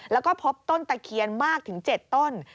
แล้วก็พบต้นตะเคียนมากถึง๗ต้น